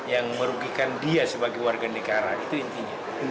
yang merugikan dia sebagai warga negara itu intinya